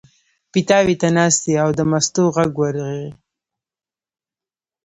پیتاوي ته ناست دی او د مستو غږ ورغی.